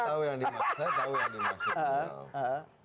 saya tau yang dimaksud